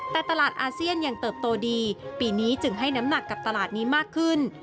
แต่ตลาดอาเซียนยังเติบโตดีปีนี้จึงให้น้ำหนักกับตลาดนี้มากขึ้น